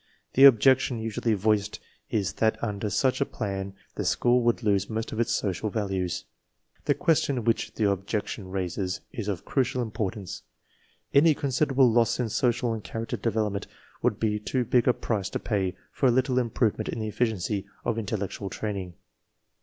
The objection usually voiced is that under such a plan the school would lose most of its social values. The question which the objection raises is of crucial importance. Any considerable loss in social I « i and character development would be too big a price to ^^ pay for a little improvement in the efficiency of intel lectual training.